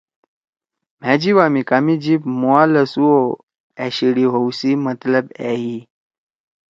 مھأ جیِبا می کامے جیِب مُوا لھسُو او أشیِڑی ہؤ سی مطلب أ ہی۔